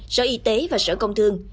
sở y tế và sở công thương